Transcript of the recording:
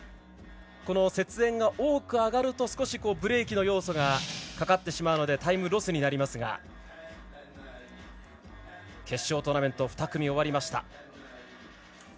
この雪煙が多く上がるとブレーキの要素がかかってしまうのでタイムロスになりますが決勝トーナメント２組終わりました。